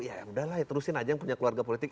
ya yaudahlah ya terusin aja yang punya keluarga politik